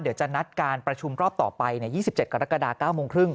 เดี๋ยวจะนัดการประชุมรอบต่อไป๒๗กรกฎา๙โมงครึ่ง